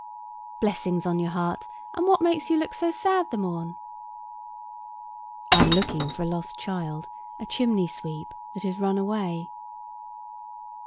"Blessings on your heart, and what makes you look so sad the morn?" "I'm looking for a lost child, a chimney sweep, that is run away."